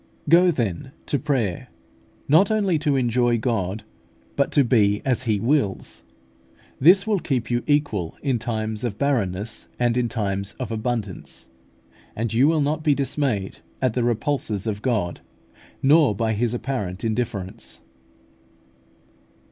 Go, then, to prayer, not only to enjoy God, but to be as He wills: this will keep you equal in times of barrenness and in times of abundance; and you will not be dismayed by the repulses of God, nor by His apparent indifference.